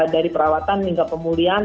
dari perawatan hingga pemulihan